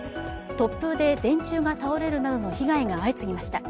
突風で電柱が倒れるなどの被害が相次ぎました。